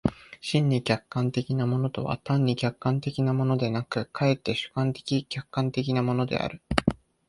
真に客観的なものとは単に客観的なものでなく、却って主観的・客観的なものである。